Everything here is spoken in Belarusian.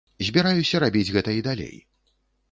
Збіраюся рабіць гэта і далей.